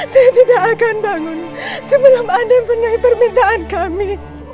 saya tidak akan bangun sebelum anda membenahi permintaan kami